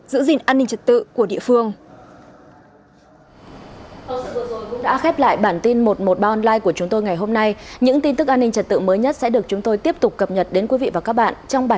giữ gìn an ninh trật tự của địa phương